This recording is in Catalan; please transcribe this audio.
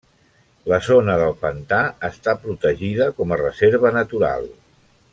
La zona del pantà està protegida com a reserva natural.